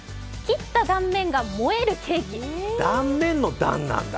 断面の「断」なんだ！